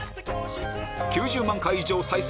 ９０万回以上再生